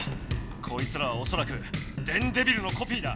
こいつらはおそらく電デビルのコピーだ。